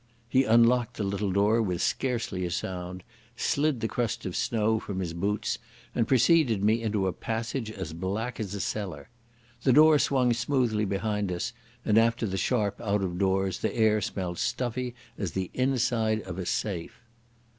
He unlocked the little door with scarcely a sound, slid the crust of snow from his boots, and preceded me into a passage as black as a cellar. The door swung smoothly behind us, and after the sharp out of doors the air smelt stuffy as the inside of a safe.